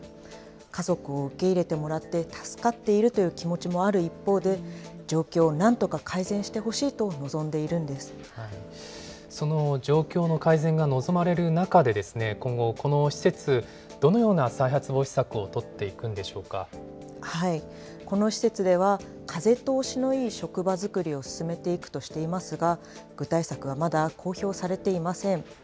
家族を受け入れてもらって助かっているという気持ちもある一方で、状況をなんとか改善してほしいとその状況の改善が望まれる中で、今後、この施設、どのような再発防止策を取っていくんでしょこの施設では、風通しのいい職場作りを進めていくとしていますが、具体策はまだ公表されていません。